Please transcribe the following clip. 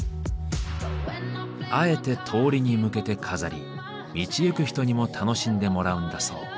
あえて通りに向けて飾り道行く人にも楽しんでもらうんだそう。